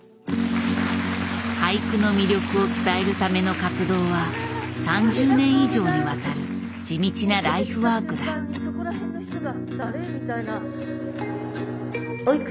俳句の魅力を伝えるための活動は３０年以上にわたる地道なライフワークだ。